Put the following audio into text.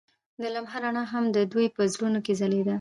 د لمحه رڼا هم د دوی په زړونو کې ځلېده.